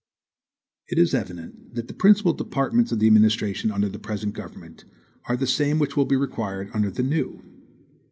It is evident that the principal departments of the administration under the present government, are the same which will be required under the new.